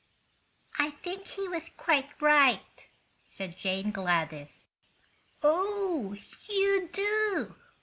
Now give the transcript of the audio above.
"I think he was quite right," said Jane Gladys. "Oh, you do?